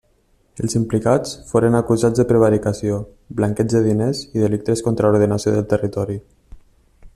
Els implicats foren acusats de prevaricació, blanqueig de diners i delictes contra l'ordenació del territori.